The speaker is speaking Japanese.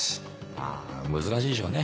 まぁ難しいでしょうね。